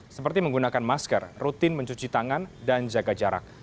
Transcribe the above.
seperti menggunakan masker rutin mencuci tangan dan jaga jarak